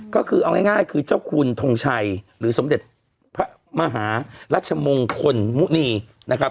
ก็คือเอาง่ายคือเจ้าคุณทงชัยหรือสมเด็จพระมหารัชมงคลมุณีนะครับ